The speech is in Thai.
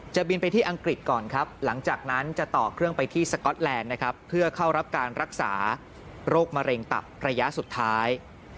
บินไปที่อังกฤษก่อนครับหลังจากนั้นจะต่อเครื่องไปที่สก๊อตแลนด์นะครับเพื่อเข้ารับการรักษาโรคมะเร็งตับระยะสุดท้าย